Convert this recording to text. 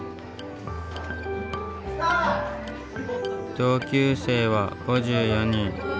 同級生は５４人。